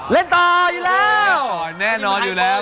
เล่นต่ออยู่แล้ว